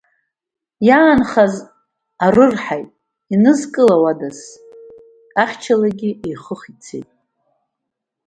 Иаанхаз арырҳаит, инызкылауада, ахьчалагьы еихых ицеит.